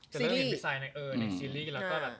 ก็เริ่มที่ดูกิจภาพในกลุ่ม